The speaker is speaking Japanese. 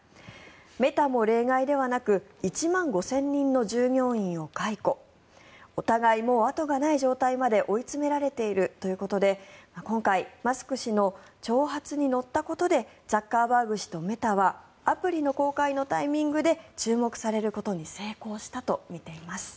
メタも例外ではなく１万５０００人の従業員を解雇お互い、もう後がない状態まで追い詰められているということで今回、マスク氏の挑発に乗ったことでザッカーバーグ氏とメタはアプリの公開のタイミングで注目されることに成功したとみています。